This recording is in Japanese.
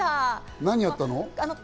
何やったの？